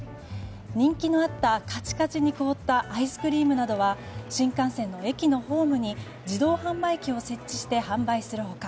人気のあった、カチカチに凍ったアイスクリームなどは新幹線の駅のホームに自動販売機を設置して販売する他